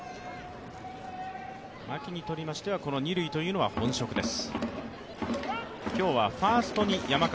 牧にとりましては二塁というのは本職です。